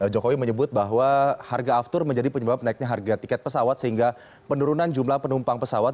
jokowi menyebut bahwa harga aftur menjadi penyebab naiknya harga tiket pesawat sehingga penurunan jumlah penumpang pesawat